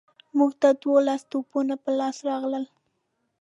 موږ ته دوولس توپونه په لاس راغلل.